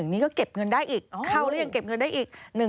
นี่ก็เก็บเงินได้อีกเข้าแล้วยังเก็บเงินได้อีก